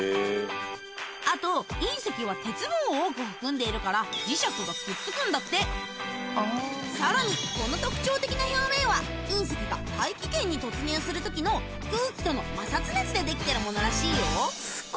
あと隕石は鉄分を多く含んでいるから磁石がくっつくんだってさらにこの特徴的な表面は隕石が大気圏に突入するときの空気との摩擦熱でできてるものらしいよ